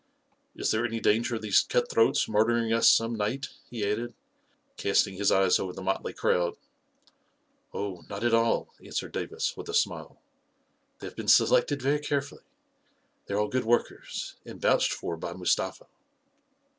Is there any danger of these cut throats murdering us some night?" he added, casting his eyes over the motley crowd. 44 Oh, not at all," answered Davis, with a smile. 44 They have been selected very carefully. They 98 A KING IN BABYLON are all good workers, and vouched for by Mustafa."